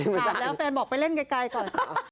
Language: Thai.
ผ่านแล้วแฟนบอกไปเล่นไกลก่อน